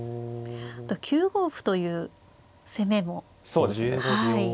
９五歩という攻めも。